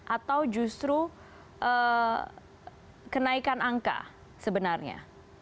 atau justru kenaikan angka sebenarnya